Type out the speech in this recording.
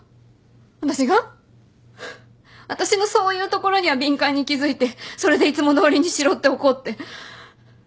あたしが？あたしのそういうところには敏感に気付いてそれでいつもどおりにしろって怒って。